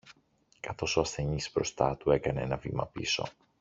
καθώς ο ασθενής μπροστά του έκανε ένα βήμα πίσω